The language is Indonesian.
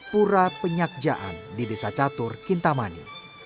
pura penyakjaan di desa catur kintamani